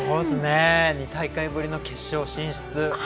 ２大会ぶりの決勝進出。